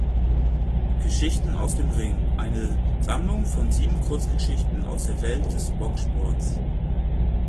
Geschichten aus dem Ring" eine Sammlung von sieben Kurzgeschichten aus der Welt des Boxsports.